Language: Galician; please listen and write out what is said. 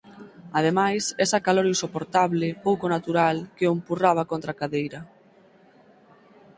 Ademais, esa calor insoportable, pouco natural, que o empurraba contra a cadeira.